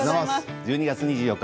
１２月２４日